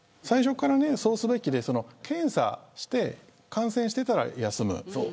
最初から、そうすべきで検査して、感染してたら休む。